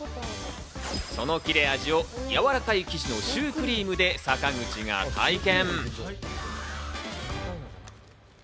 その切れ味を、やわらかい生地のシュークリームで坂口が体験。